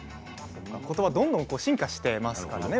言葉はどんどん進化していますからね。